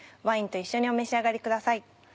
ワインと一緒にお召し上がりください。